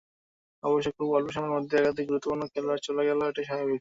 অবশ্য খুব অল্প সময়ের মধ্যে একাধিক গুরুত্বপূর্ণ খেলোয়াড় চলে গেলে এটি স্বাভাবিক।